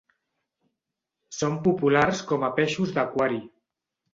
Són populars com a peixos d'aquari.